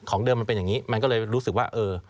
เดิมมันเป็นอย่างนี้มันก็เลยรู้สึกว่าเออ